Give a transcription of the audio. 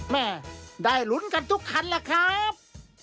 แม่ได้ลุ้นกันทุกคันแหละครับ